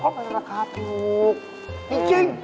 คือแบบวิธีเย่ด